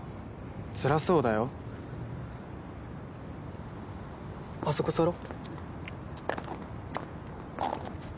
つらそうだよ。あそこ座ろう。